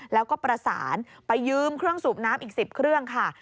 แล้วก็ประสานไปยืมเครื่องสูบน้ำอีก๑๐เครื่องค่ะ